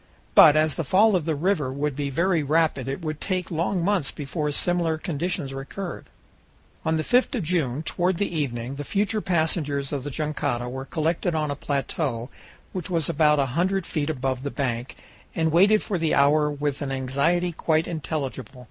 But as the fall of the river would be very rapid it would take long months before similar conditions recurred. On the 5th of June, toward the evening, the future passengers of the jangada were collected on a plateau which was about a hundred feet above the bank, and waited for the hour with an anxiety quite intelligible.